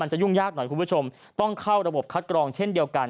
มันจะยุ่งยากหรือเพื่อนผู้พูดสวมต้องเข้าระบบคัดกรองเช่นเดียวกัน